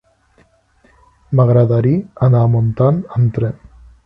M'agradaria anar a Montant amb tren.